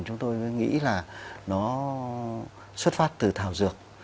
chúng tôi nghĩ là nó xuất phát từ thảo dược